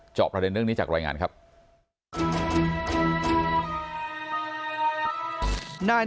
จอบประเด็นนึงจากรายงาน